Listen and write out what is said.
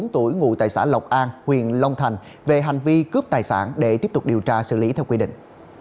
hai mươi bốn tuổi ngụ tài sản lộc an huyện long thành về hành vi cướp tài sản để tiếp tục điều tra xử lý theo quy định